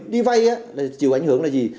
đi vay chịu ảnh hưởng là gì